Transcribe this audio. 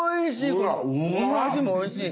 このアジもおいしい。